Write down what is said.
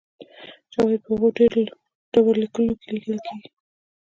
شواهد په هغو ډبرلیکونو کې لیدل کېږي